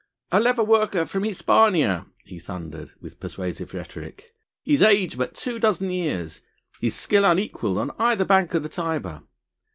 "A leather worker from Hispania," he thundered with persuasive rhetoric, "his age but two dozen years, his skill unequalled on either bank of the Tiber